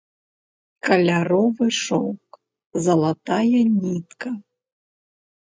Каляровы шоўк, залатная нітка.